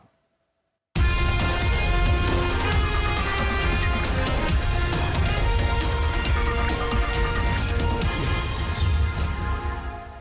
เวลาที่สุดท้าย